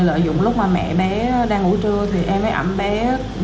lợi dụng lúc mẹ bé đang ngủ trưa thì em mới ẩm bé lên xe